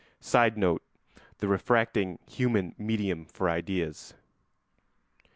[Sidenote: The refracting human medium for ideas.